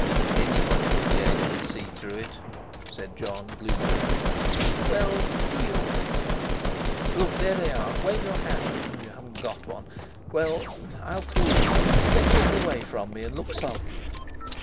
"Anybody will be able to see through it," said Jon gloomily. "Well, do your best. Look! There they are! Wave your hat! Oh! you haven't got one. Well, I'll cooee! Get a little away from me, and look sulky."